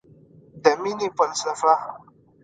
د مینې فلسفه